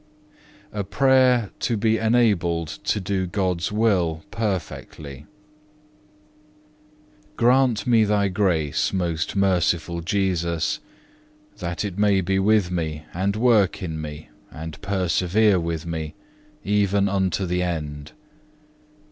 '" A PRAYER TO BE ENABLED TO DO GOD'S WILL PERFECTLY 3. Grant me Thy grace, most merciful Jesus, that it may be with me, and work in me, and persevere with me, even unto the end.